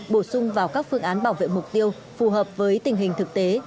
bổ sung vào các phương án bảo vệ mục tiêu phù hợp với tình hình thực tế